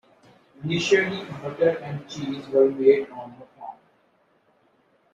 Initially, butter and cheese were made on the farm.